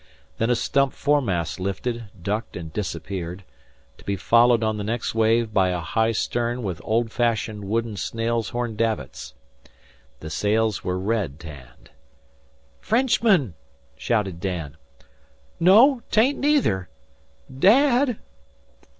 Then a stump foremast lifted, ducked, and disappeared, to be followed on the next wave by a high stern with old fashioned wooden snail's horn davits. The snails were red tanned. "Frenchmen!" shouted Dan. "No, 'tain't, neither. Da ad!"